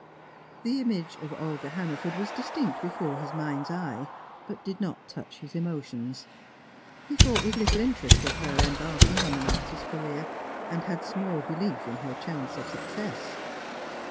The image of Olga Hannaford was distinct before his mind's eye, but did not touch his emotions. He thought with little interest of her embarking on an artist's career, and had small belief in her chances of success.